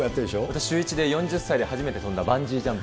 私、シューイチで、４０歳で初めてとんだバンジージャンプ。